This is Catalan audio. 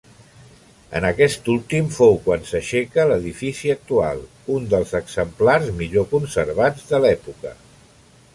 En aquest últim fou quan s'aixeca l'edifici actual, un dels exemplars millor conservats de l'època.